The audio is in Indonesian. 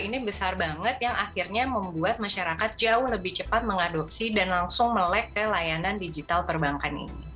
ini besar banget yang akhirnya membuat masyarakat jauh lebih cepat mengadopsi dan langsung melek ke layanan digital perbankan ini